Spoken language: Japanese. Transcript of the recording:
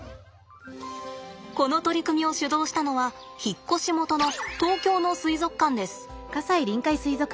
この取り組みを主導したのは引っ越し元の東京の水族館です。